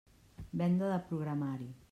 Venda de programari.